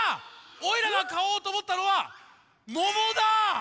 おいらがかおうとおもったのはももだ！